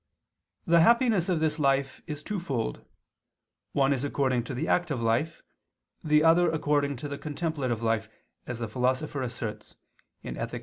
The happiness of this life is twofold, one is according to the active life, the other according to the contemplative life, as the Philosopher asserts (Ethic.